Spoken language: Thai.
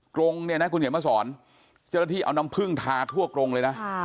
กรงเนี่ยนะคุณเขียนมาสอนเจ้าหน้าที่เอาน้ำพึ่งทาทั่วกรงเลยนะ